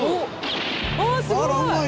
あすごい！